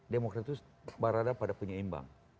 demokrat itu berada pada penyeimbang